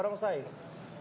karena bagus lah